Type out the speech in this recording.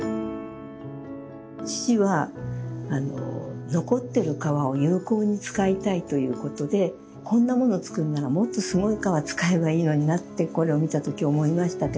父は残ってる革を有効に使いたいということでこんなもの作るならもっとすごい革使えばいいのになってこれを見たとき思いましたけど。